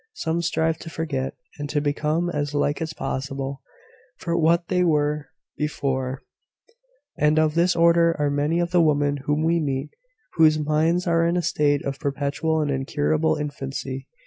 Some strive to forget, and to become as like as possible to what they were before; and of this order are many of the women whom we meet, whose minds are in a state of perpetual and incurable infancy.